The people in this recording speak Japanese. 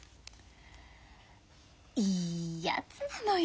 いいやつなのよ